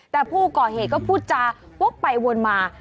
แต่ผู้ก่อเหตุก็พูดจาวกไปวนมา